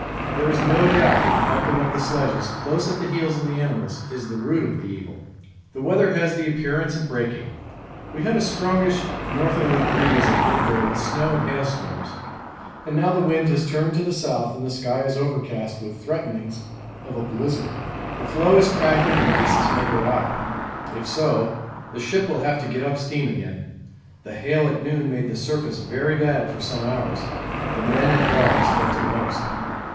There is no doubt that the bumping of the sledges close at the heels of the animals is the root of the evil. The weather has the appearance of breaking. We had a strongish northerly breeze at midday with snow and hail storms, and now the wind has turned to the south and the sky is overcast with threatenings of a blizzard. The floe is cracking and pieces may go out if so the ship will have to get up steam again. The hail at noon made the surface very bad for some hours; the men and dogs felt it most.